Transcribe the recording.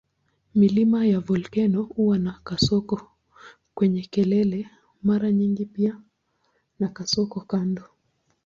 Milima ya volkeno huwa na kasoko kwenye kelele mara nyingi pia na kasoko kando.